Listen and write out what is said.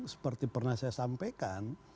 seperti pernah saya sampaikan